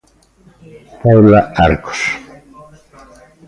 Paula Arcos.